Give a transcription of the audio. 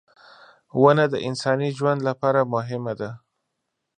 • ونه د انساني ژوند لپاره مهمه ده.